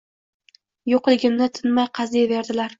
Yo’qligimni tinmay qaziyverdilar.